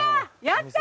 やった！